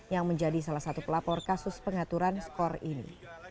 yang menjadi salah satu pelapor kasus pengaturan skor ini